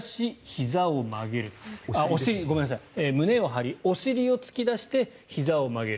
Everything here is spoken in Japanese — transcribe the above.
胸を張り、お尻を突き出してひざを曲げる。